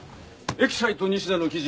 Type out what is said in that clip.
エキサイト西田の記事